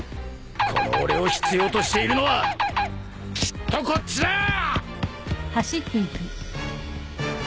この俺を必要としているのはきっとこっちだー！